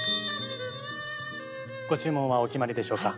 ご注文はお決まりでしょうか？